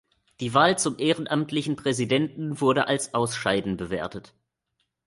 Die Wahl zum ehrenamtlichen Präsidenten wurde als Ausscheiden bewertet.